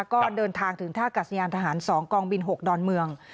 ก็เดินทางถึงท่ากัดสยานทหาร๒กองบิน๖ดอนเมือง